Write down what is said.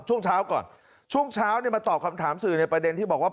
ช่วงเช้าก่อนช่วงเช้าเนี่ยมาตอบคำถามสื่อในประเด็นที่บอกว่า